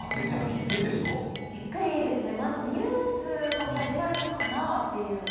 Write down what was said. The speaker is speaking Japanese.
びっくりですね、ニュースが始まるのかなぁという。